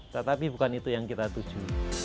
tetapi bukan itu yang kita tuju